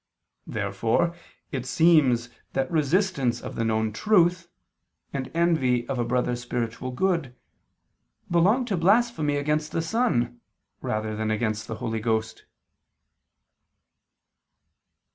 Therefore it seem that resistance of the known truth, and envy of a brother's spiritual good, belong to blasphemy against the Son rather than against the Holy Ghost.